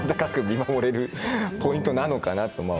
見守れるポイントなのかなと。